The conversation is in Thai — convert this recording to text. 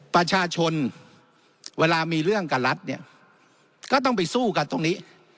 ประชาชนเวลามีเรื่องกับรัฐเนี่ยก็ต้องไปสู้กันตรงนี้